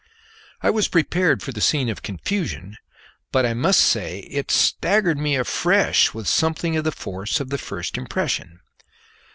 I was prepared for the scene of confusion, but I must say it staggered me afresh with something of the force of the first impression.